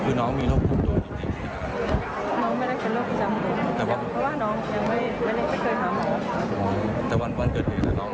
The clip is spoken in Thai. เขาโทรบอกกับแม่เปล่งละครั้งเท่าไหร่